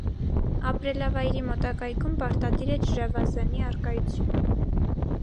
Ապրելավայրի մոտակայքում պարտադիր է ջրավազանի առկայությունը։